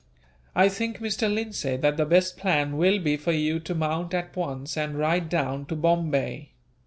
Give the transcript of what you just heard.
"I think, Mr. Lindsay, that the best plan will be for you to mount at once, and ride down to Bombay.